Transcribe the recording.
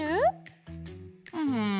うん。